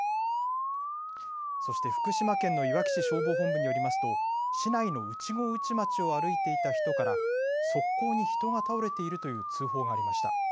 そして、福島県のいわき市消防本部によりますと、市内の内郷内町を歩いていた人から、側溝に人が倒れているという通報がありました。